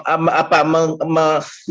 apa nyawa kita lebih utama daripada